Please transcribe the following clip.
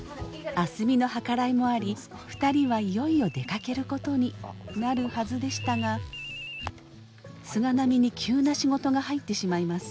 明日美の計らいもあり２人はいよいよ出かけることになるはずでしたが菅波に急な仕事が入ってしまいます。